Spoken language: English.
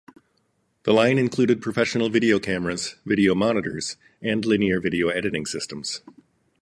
The line included professional video cameras, video monitors and linear video editing systems.